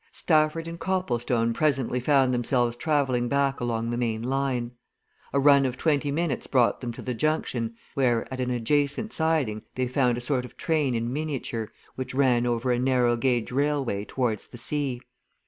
Stafford and Copplestone presently found themselves travelling back along the main line. A run of twenty minutes brought them to the junction, where, at an adjacent siding they found a sort of train in miniature which ran over a narrow gauge railway towards the sea.